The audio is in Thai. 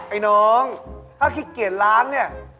ไอ้น้องถ้าขี้เกียจล้างเนี่ย